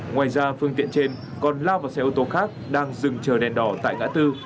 ngoài ra phương tiện trên còn lao vào xe ô tô khác đang dừng chờ đèn đỏ tại ngã tư